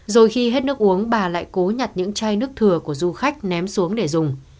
rồi khi hết nước uống bà lại cố nhặt những chai nước thừa của du khách ném xuống để dùng